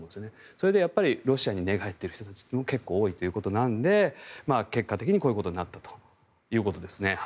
それでロシアに寝返っている人たちが結構、多いということなので結果的にこういうことになったということですね。